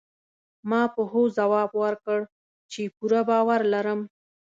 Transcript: ما په هوځواب ورکړ، چي پوره باور لرم.